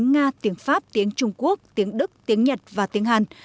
tiếng nga tiếng pháp tiếng trung quốc tiếng đức tiếng nhật và tiếng hàn